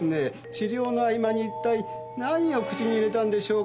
治療の合間に一体何を口に入れたんでしょうか。